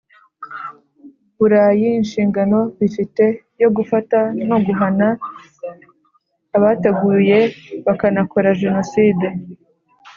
Burayi inshingano bifite yo gufata no guhana abateguye bakanakora Jenoside